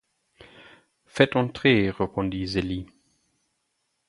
Faites entrer, répondit Zélie.